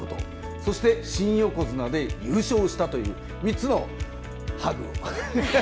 そして、新横綱で優勝したという３つのハグを。